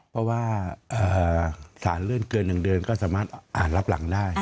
เพราะว่าสารเลื่อนเกิน๑เดือนก็สามารถอ่านรับหลังได้